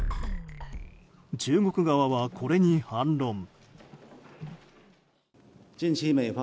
中国側は、これに反論。